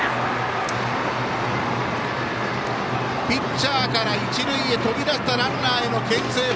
ピッチャーから一塁へ飛び出したランナーへのけん制。